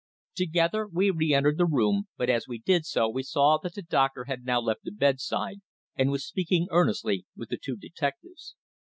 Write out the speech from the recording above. Together we re entered the room, but as we did so we saw that the doctor had now left the bedside, and was speaking earnestly with the two detectives.